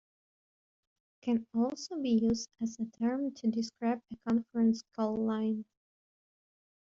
Can also be used as a term to describe a conference call line.